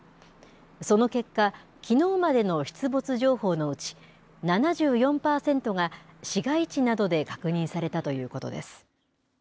その結果、きのうまでの出没情報のうち、７４％が市街地などで確認されたということです。